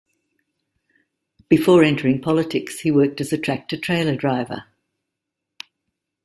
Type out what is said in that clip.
Before entering politics, he worked as a tractor trailer driver.